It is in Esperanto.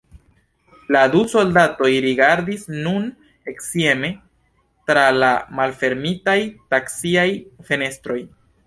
La du soldatoj rigardis nun scieme tra la malfermitaj taksiaj fenestroj.